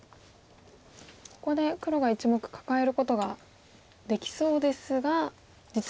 ここで黒が１目カカえることができそうですが実は。